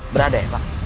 berada ya pak